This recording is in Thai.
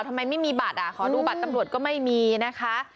ทำไมไม่มีบัตรขอดูบัตรตำรวจก็ไม่มีนะคะ